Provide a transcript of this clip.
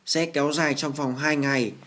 sẽ kéo dài trong vòng hai ngày